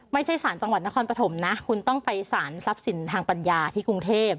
ไม่ใช่สารจังหวัดนครปฐมนะคุณต้องไปสารทรัพย์สินทางปัญญาที่กรุงเทพ